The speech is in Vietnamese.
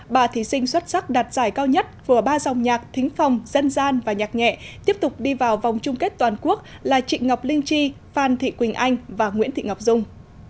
bà thí sinh xuất sắc đạt giải cao nhất của ba dòng nhạc thính phong dân gian và nhạc nhẹ tiếp tục đi vào vòng chung kết toàn quốc là chị ngọc linh chi phan thị quỳnh anh và nguyễn thị ngọc dung